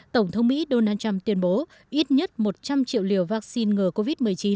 tổng thống mỹ donald trump tuyên bố ít nhất một trăm linh triệu liều vaccine ngừa covid một mươi chín